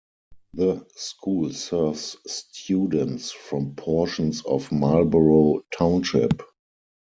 The school serves students from portions of Marlboro Township.